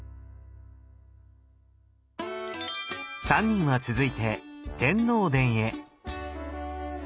３人は続いて天王殿へ。